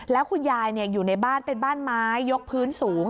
แล้วคุณยายอยู่ในบ้านเป็นบ้านไม้ยกพื้นสูง